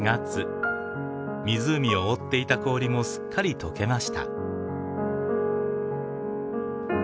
湖を覆っていた氷もすっかり解けました。